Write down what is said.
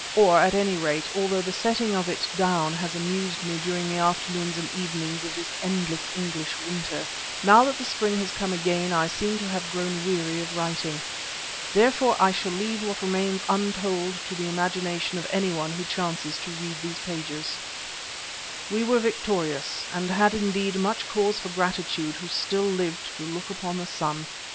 Or, at any rate, although the setting of it down has amused me during the afternoons and evenings of this endless English winter, now that the spring is come again I seem to have grown weary of writing. Therefore I shall leave what remains untold to the imagination of anyone who chances to read these pages. We were victorious, and had indeed much cause for gratitude who still lived to look upon the sun.